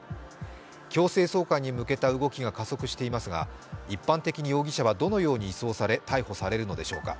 強制送還に向けた動きが加速していますが一般的に容疑者はどのように移送され、逮捕されるのでしょうか。